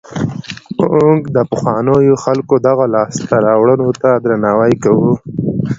موږ د پخوانیو خلکو دغو لاسته راوړنو ته درناوی کوو.